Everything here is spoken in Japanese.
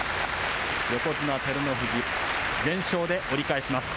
横綱・照ノ富士全勝で折り返します。